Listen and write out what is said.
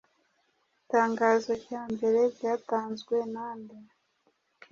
Itangazo rya mbere ryatanzwe na nde?